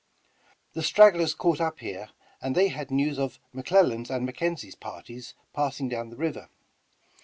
The stragglers caught up here, and they had news of McLellan's and McKenzie's parties passing down the river.